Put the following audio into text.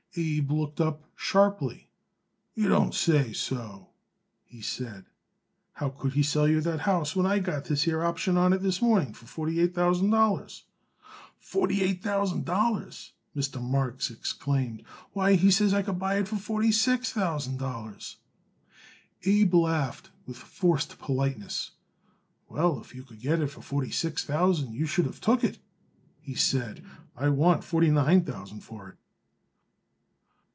Abe looked up sharply. "You don't say so?" he said. "How could he sell you that house when I got this here option on it this morning for forty eight thousand dollars?" "Forty eight thousand dollars!" Mr. Marks exclaimed. "Why, he says I could buy it for forty six thousand dollars." Abe laughed with forced politeness. "Well, if you could of got it for forty six thousand you should of took it," he said. "I want forty nine thousand for it."